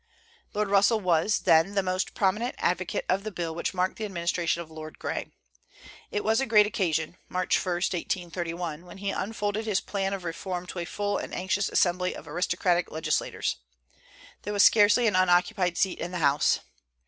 Lord Russell was, then, the most prominent advocate of the bill which marked the administration of Lord Grey. It was a great occasion, March 1, 1831, when he unfolded his plan of reform to a full and anxious assembly of aristocratic legislators. There was scarcely an unoccupied seat in the House.